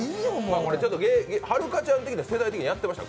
はるかちゃん的には世代的にやってました？